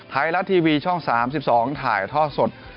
ไทยรัฐทีวีช่อง๓๒ถ่ายท่อสด